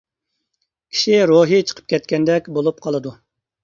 كىشى روھىي چىقىپ كەتكەندەك بولۇپ قالىدۇ.